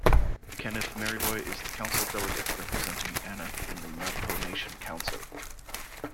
Kenneth Maryboy is the council delegate representing Aneth in the Navajo Nation Council.